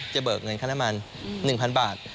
เบิกเงินค่าน้ำมัน๑๐๐๐บาท